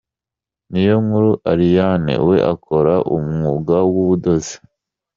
Niyonkuru Ariane we akora umwuga w’ubudozi.